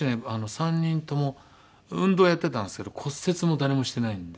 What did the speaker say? ３人とも運動やってたんですけど骨折も誰もしてないんですよね。